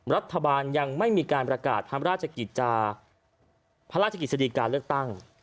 รัฐบาลยังไม่มีการประกาศพระราชกิจสถิติการเลือกตั้ง